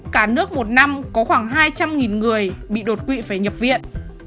cả nước một năm có khoảng hai trăm linh người bị đột quỵ phải nhập viện